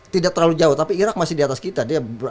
tidak terlalu jauh tapi irak masih di atas kita